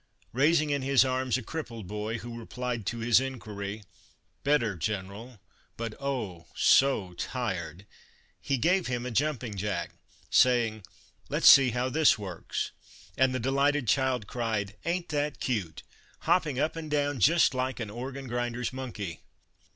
Raising in his arms a crippled boy, who replied to his inquiry, " Better, General ; but, oh ! so tired," he gave him a jumping jack, saying: " Let 's see how this works," and the delighted child cried: "Ain't that cute? Hopping up and down just like an organ grinder's monkey."